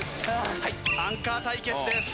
アンカー対決です。